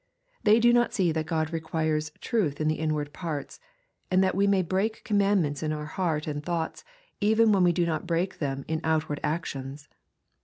They do not se that God requires "truth in. the inward parts," and that we may break commandments in our heart and thoughts, even when we do not break them in outward actions.